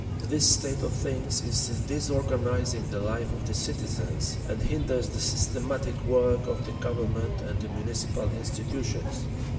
This state of things is disorganising the life of the citizens, and hinders the systematic work of the Government and the Municipal Institutions.